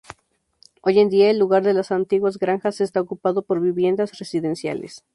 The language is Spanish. Hoy en día, el lugar de las antiguas granjas está ocupado por viviendas residenciales.